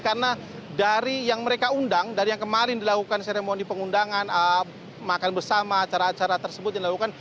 karena dari yang mereka undang dari yang kemarin dilakukan seremoni pengundangan makan bersama acara acara tersebut yang dilakukan